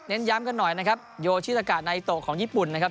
ย้ำกันหน่อยนะครับโยชิตากะไนโตของญี่ปุ่นนะครับ